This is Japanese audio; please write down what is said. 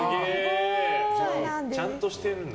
ちゃんとしてるんだ。